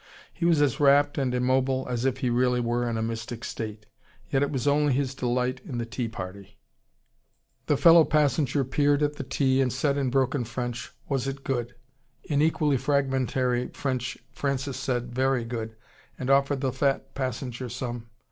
He was as rapt and immobile as if he really were in a mystic state. Yet it was only his delight in the tea party. The fellow passenger peered at the tea, and said in broken French, was it good. In equally fragmentary French Francis said very good, and offered the fat passenger some.